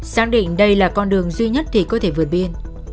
xác định đây là con đường duy nhất để có thể vượt biên